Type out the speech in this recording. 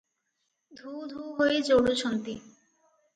ଧୂ-ଧୂ ହୋଇ ଜଳୁଛନ୍ତି ।